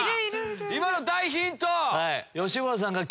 今の大ヒント！